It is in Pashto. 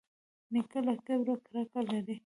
نیکه له کبره کرکه لري.